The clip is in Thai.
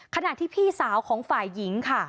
ขณะที่พี่สาวของฝ่ายหญิงค่ะ